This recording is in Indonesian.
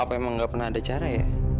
apa emang gak pernah ada cara ya